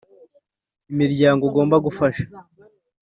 imiryango ugomba gufasha